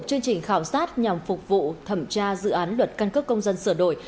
đoàn công tác nhằm phục vụ thẩm tra dự án luật căn cấp công dân sửa đổi